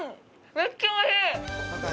めっちゃおいしい！